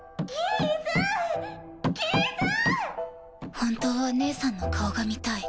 本当は義姉さんの顔が見たい。